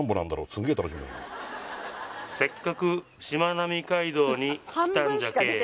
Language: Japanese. すげえ楽しみ「せっかくしまなみ海道に来たんじゃけえ」